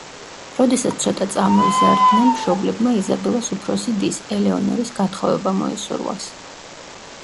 როდესაც ცოტა წამოიზარდნენ მშობლებმა იზაბელას უფროსი დის, ელეონორის გათხოვება მოისურვეს.